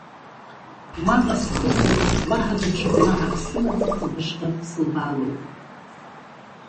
Уаҟа схызаргь уаҳа даҽа гәнаҳак сымаӡақәа бышҟа сылбаалоит.